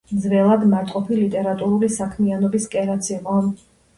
ძველად მარტყოფი ლიტერატურული საქმიანობის კერაც იყო.